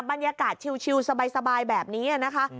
บรรยากาศชิวสบายแบบนี้นะคะ